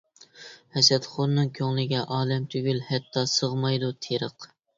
ھەسەتخورنىڭ كۆڭلىگە ئالەم تۈگۈل ھەتتا سىغمايدۇ تېرىق.